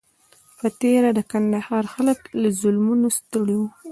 په تېره د کندهار خلک له ظلمونو ستړي وو.